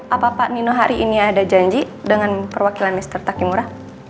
apa pak nino hari ini ada janji dengan perwakilan mister takimura